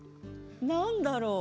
何だろう？